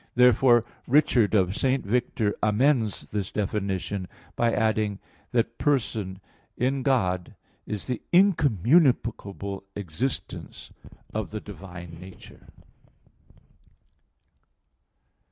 Therefore Richard of St. Victor amends this definition by adding that "Person" in God is "the incommunicable existence of the divine nature."